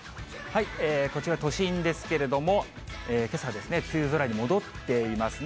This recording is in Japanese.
こちら、都心ですけれども、けさ、梅雨空に戻っていますね。